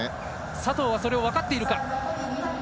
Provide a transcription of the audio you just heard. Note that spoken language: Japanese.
佐藤はそれを分かっているか。